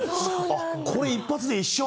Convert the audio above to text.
あっこれ一発で一緒？